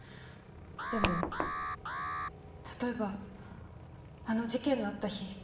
でも例えばあの事件のあった日。